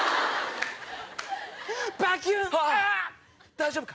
大丈夫か？